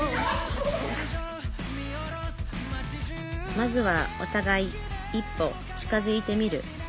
まずはおたがい一歩近づいてみる。